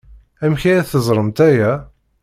Amek ara teẓremt aya?